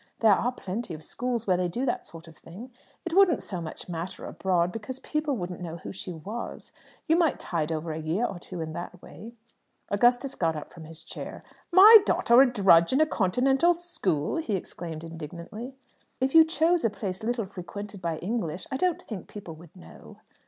There are plenty of schools where they do that sort of thing. It wouldn't so much matter abroad, because people wouldn't know who she was. You might tide over a year or two in that way." Augustus got up from his chair. "My daughter a drudge in a Continental school?" he exclaimed indignantly. "If you chose a place little frequented by English, I don't think people would know."